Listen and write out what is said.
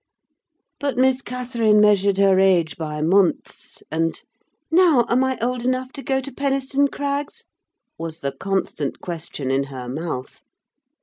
But Miss Catherine measured her age by months, and, "Now, am I old enough to go to Penistone Crags?" was the constant question in her mouth.